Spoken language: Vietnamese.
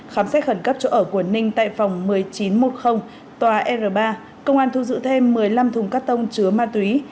khám xét khẩn cấp chỗ ở của ninh tại phòng một mươi chín trăm một mươi tòa r ba công an thu giữ thêm một mươi năm thùng cắt tông chứa ma túy